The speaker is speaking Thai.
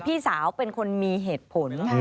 พี่สาวเป็นคนมีเหตุผล